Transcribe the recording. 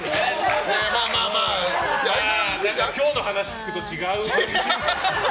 今日の話を聞くと違う。